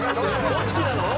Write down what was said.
どっちなの？